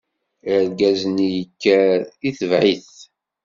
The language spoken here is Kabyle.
Argaz-nni yekker, itebɛ-it.